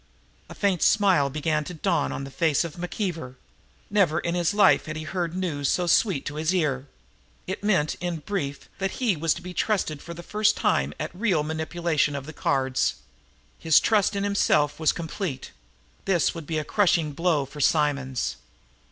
A faint smile began to dawn on the face of McKeever. Never in his life had he heard news so sweet to his ear. It meant, in brief, that he was to be trusted for the first time at real manipulation of the cards. His trust in himself was complete. This would be a crushing blow for Simonds.